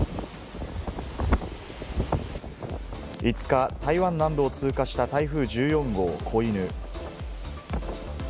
５日、台湾南部を通過した台風１４号・コイヌ。